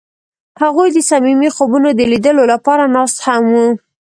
هغوی د صمیمي خوبونو د لیدلو لپاره ناست هم وو.